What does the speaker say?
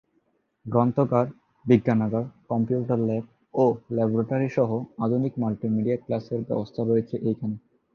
গ্রন্থাগার, বিজ্ঞানাগার, computer lab ও ল্যাবরেটরি সহ আধুনিক মাল্টিমিডিয়া ক্লাসের ব্যবস্থা আছে এখানে।